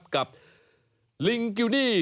กับลิงกิวนี่